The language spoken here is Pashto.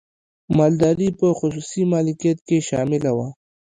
مالداري په خصوصي مالکیت کې شامله وه.